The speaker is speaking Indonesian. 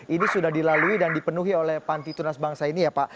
ini sudah dilalui dan dipenuhi oleh panti tunas bangsa ini ya pak